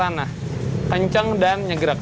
kacangnya kencang dan nyegerak